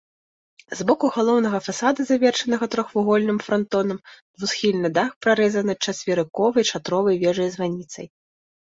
З боку галоўнага фасада, завершанага трохвугольным франтонам, двухсхільны дах прарэзаны чацверыковай шатровай вежай-званіцай.